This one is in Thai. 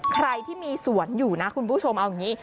ใครที่มีสวนอยู่นะคุณผู้ชมเอาอย่างนี้